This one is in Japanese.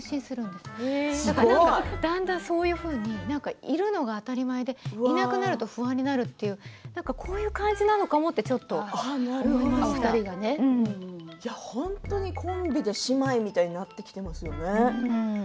すごいだんだんそういうふうにいるのが当たり前でいなくなると不安になるというこういう感じなのかなってだから本当にコンビで姉妹みたいになってきてますよね。